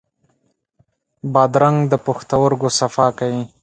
بادرنګ د پښتورګو صفا کوي.